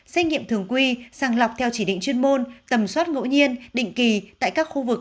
xét nghiệm thường quy sàng lọc theo chỉ định chuyên môn tầm soát ngẫu nhiên định kỳ tại các khu vực